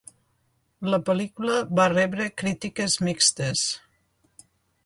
La pel·lícula va rebre crítiques mixtes.